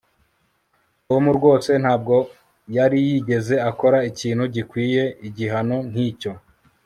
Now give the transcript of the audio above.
tom rwose ntabwo yari yarigeze akora ikintu gikwiye igihano nkicyo